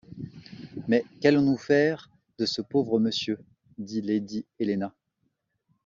Mais qu’allons-nous faire de ce pauvre monsieur ? dit lady Helena.